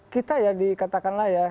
kita ya dikatakanlah ya